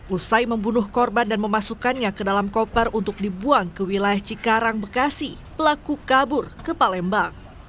usai membunuh korban dan memasukkannya ke dalam koper untuk dibuang ke wilayah cikarang bekasi pelaku kabur ke palembang